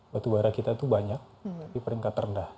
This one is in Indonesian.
batubara kita itu banyak tapi peringkat rendah